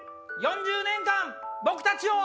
４０年間僕たちを。